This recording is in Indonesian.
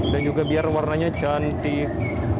dan juga biar warnanya cantik